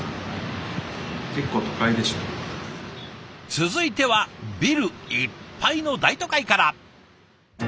続いてはビルいっぱいの大都会から。